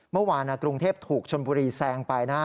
เมื่อวานกรุงเทพถูกชนบุรีแซงไปนะ